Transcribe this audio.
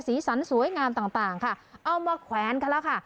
สีสันสวยงามต่างค่ะเอามาแขวนกันแล้วค่ะ